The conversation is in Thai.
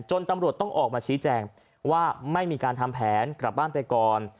ตำรวจต้องออกมาชี้แจงว่าไม่มีการทำแผนกลับบ้านไปก่อน